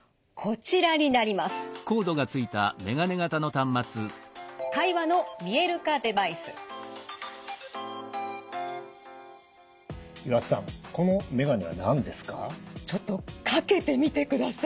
ちょっとかけてみてください。